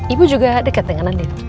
ibu juga deket dengan andin